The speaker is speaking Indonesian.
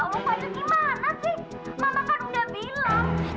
mama kan udah bilang